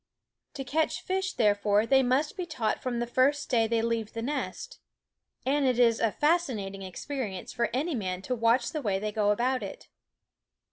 To catch fish, therefore, they must be taught from the first day they leave the nest. And it is a fascinating experience for any man to watch the way they go about it.